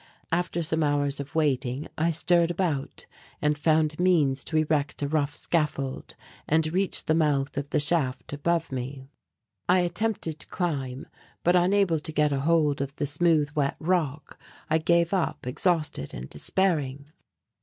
After some hours of waiting I stirred about and found means to erect a rough scaffold and reach the mouth of the shaft above me. I attempted to climb, but, unable to get a hold on the smooth wet rock, I gave up exhausted and despairing.